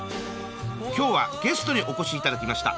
今日はゲストにお越し頂きました。